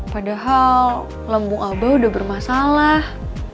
padahal lembung abah udah bermasalah